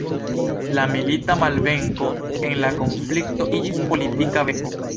La milita malvenko en la konflikto iĝis politika venko.